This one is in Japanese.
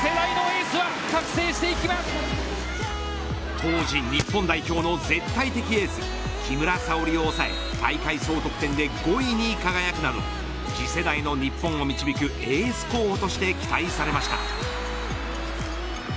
当時、日本代表の絶対的エース木村沙織を押さえ大会総得点で５位に輝くなど次世代の日本を導くエース候補として期待されました。